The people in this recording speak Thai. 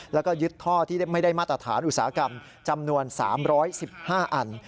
แล้วก็ยึดท่อที่ไม่ได้มาตรฐานอุตสาหกรรมจำนวน๓๑๕อัน